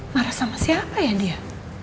marah sama siapa ya dia